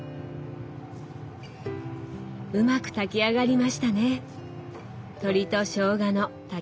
うまく炊き上がりましたね！